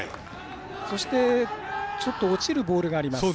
そして、ちょっと落ちるボールがあります。